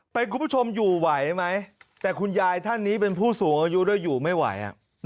คุณผู้ชมอยู่ไหวไหมแต่คุณยายท่านนี้เป็นผู้สูงอายุด้วยอยู่ไม่ไหว